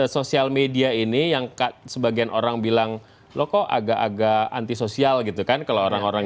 soseal media ini yang ke sebagian orang bilang lo kok agak agak anti sosial gitu kan kalau orang orang